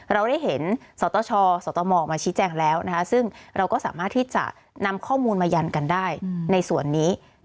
เราได้เห็นสตชสตมออกมาชี้แจงแล้วนะคะซึ่งเราก็สามารถที่จะนำข้อมูลมายันกันได้ในส่วนนี้